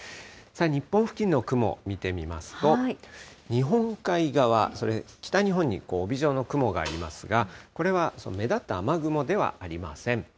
日本付近の雲、見てみますと、日本海側、北日本に帯状の雲がありますが、これは目立った雨雲ではありません。